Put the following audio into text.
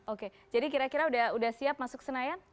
oke jadi kira kira udah siap masuk senayan